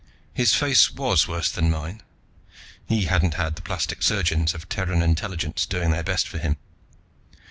His face was worse than mine; he hadn't had the plastic surgeons of Terran Intelligence doing their best for him.